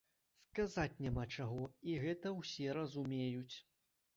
Сказаць няма чаго і гэта ўсе разумеюць.